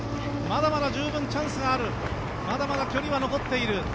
まだまだ十分、チャンスがあるまだまだ距離は残っている。